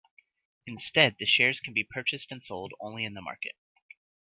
Instead, the shares can be purchased and sold only in the market.